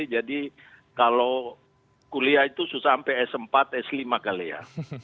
jadi kalau kuliah itu susah sampai s empat s lima kali ya